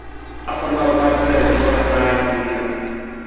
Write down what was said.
Ha formado parte del equipo nacional argentino.